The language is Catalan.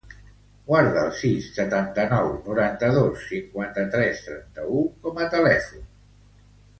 Guarda el sis, setanta-nou, noranta-dos, cinquanta-tres, trenta-u com a telèfon de la Hawa Azor.